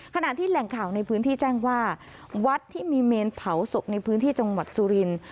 ขณะที่แหล่งข่าวในพื้นที่แจ้งว่าวัดที่มีเมนเผาศพในพื้นที่จังหวัดสุรินทร์